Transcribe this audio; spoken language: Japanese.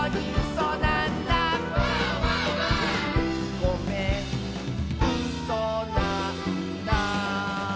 「ごめんうそなんだ」